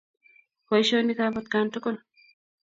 Baishonik ab atkan tugul